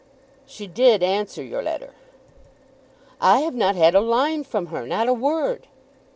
"She did answer your letter." "I have not had a line from her; not a word!"